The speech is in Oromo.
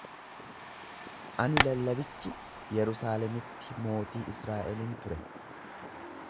Ani lallabichi Yerusaalemitti mootii Israa'elin ture;